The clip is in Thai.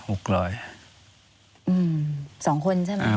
อืมสองคนใช่มั้ย